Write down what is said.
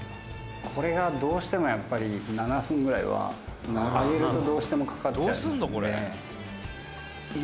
「これがどうしてもやっぱり７分ぐらいは揚げるとどうしてもかかっちゃいますね」